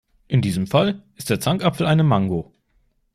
In diesem Fall ist der Zankapfel eine Mango.